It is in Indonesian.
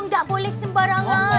gak boleh sembarangan